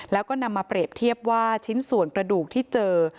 แล้วก็นำมาเปรียบเทียบว่าชิ้นส่วนกระดูกที่เจอ